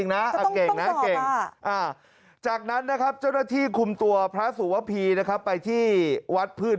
งั้นผมจะให้ผมไปนอนที่ไหน